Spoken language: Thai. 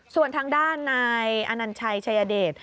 ส่วนทางด้านนายอนัญชัยชายเดช